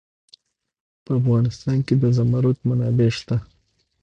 په افغانستان کې د زمرد منابع شته.